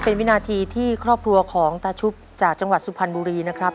เป็นวินาทีที่ครอบครัวของตาชุบจากจังหวัดสุพรรณบุรีนะครับ